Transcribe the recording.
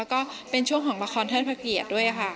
ก็เป็นช่วงของละครท่านพระเกียรติด้วยค่ะ